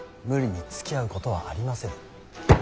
無理につきあうことはありませぬ。